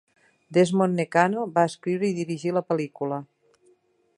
Desmond Nakano va escriure i dirigir la pel·lícula.